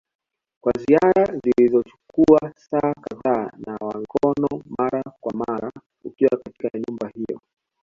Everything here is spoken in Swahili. kwa ziara zinazochukua saa kadhaa nawa mikono mara kwa mara ukiwa katika nyumba hiyo.